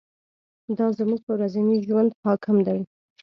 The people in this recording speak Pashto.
دا زموږ په ورځني ژوند حاکم دی.